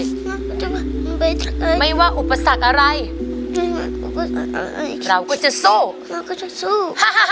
ไม่ว่าอุปสรรคอะไรไม่ว่าอุปสรรคอะไรเราก็จะสู้เราก็จะสู้